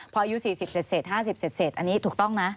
พออายุ๔๐เสร็จ๕๐เสร็จอันนี้ถูกต้องนะ